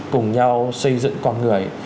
cùng nhau xây dựng con người